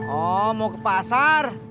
oh mau ke pasar